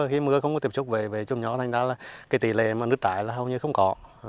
khi mưa không có tiếp xúc về trùm nho thành ra là cái tỷ lệ mà nứt trái là hầu như không có